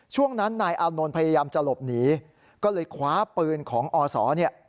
ช่วงนั้นนายอานนท์พยายามจะหลบหนีก็เลยคว้าปืนของอศเนี่ย